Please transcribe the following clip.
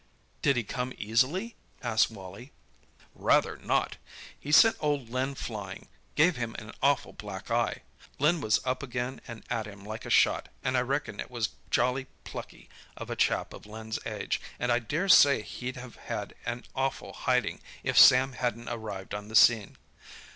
"Did he come easily?" asked Wally. "Rather not! He sent old Len flying—gave him an awful black eye. Len was, up again and at him like a shot, and I reckon it was jolly plucky of a chap of Len's age, and I dare say he'd have had an awful hiding if Sam hadn't arrived on the scene.